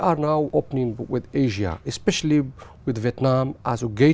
và chúng tôi cũng có nhiều nhiệm vụ nhiệm vụ giữ tầm năng cao